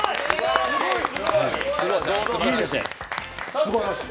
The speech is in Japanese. すばらしい。